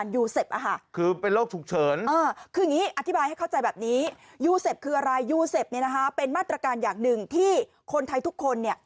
ยูเซปเนี่ยนะคะเป็นมาตรการอย่างหนึ่งที่คนไทยทุกคนเนี่ย